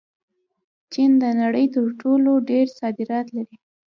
چین د نړۍ تر ټولو ډېر صادرات لري.